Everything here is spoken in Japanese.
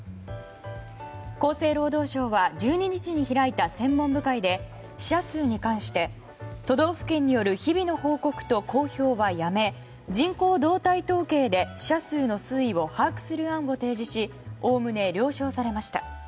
厚生労働省は１２日に開いた専門部会で死者数に関して都道府県による日々の報告と公表はやめ、人口動態統計で死者数の推移を把握する案を提示しおおむね了承されました。